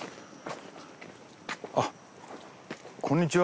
あっこんにちは。